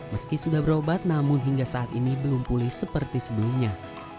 meski sudah berobat namun hingga saat ini belum pulih seperti sebelumnya